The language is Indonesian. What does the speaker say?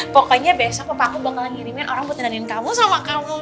pokoknya besok papa aku bakalan ngirimin orang buat dandanin kamu sama kamu